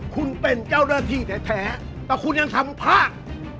คุณเป็นเจ้าหน้าที่แท้แต่คุณยังทำพลาด